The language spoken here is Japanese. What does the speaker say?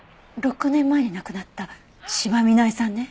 ６年前に亡くなった斯波美苗さんね。